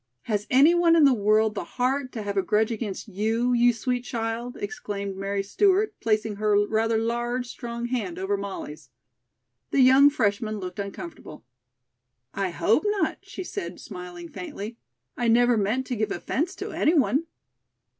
"Has any one in the world the heart to have a grudge against you, you sweet child?" exclaimed Mary Stewart, placing her rather large, strong hand over Molly's. The young freshman looked uncomfortable. "I hope not," she said, smiling faintly. "I never meant to give offence to any one."